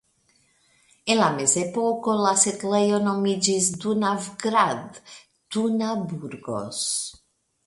En la Mezepoko la setlejo nomiĝis Dunavgrad (Tunaburgos).